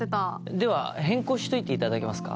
では変更しといていただけますか？